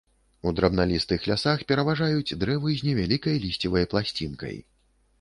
У драбналістых лясах пераважаюць дрэвы з невялікай лісцевай пласцінкай.